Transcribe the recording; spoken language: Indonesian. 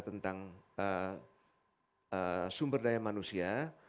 tentang sumber daya manusia